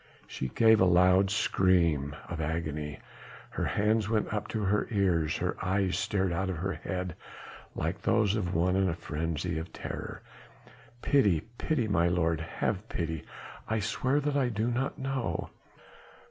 She gave a loud scream of agony: her hands went up to her ears, her eyes stared out of her head like those of one in a frenzy of terror. "Pity! pity! my lord, have pity! I swear that I do not know."